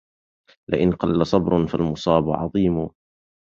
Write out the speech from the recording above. لئن قل صبر فالمصاب عظيم